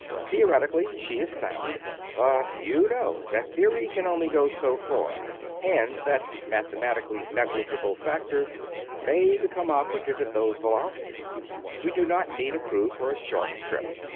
Theoretically, she is sound, but you know that theory can go only so far, and that mathematically negligible factors may become operative at those velocities. We do not need a crew for a short trip.